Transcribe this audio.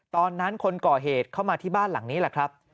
คนก่อเหตุเข้ามาที่บ้านหลังนี้แหละครับ